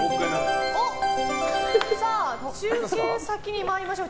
中継先に参りましょう。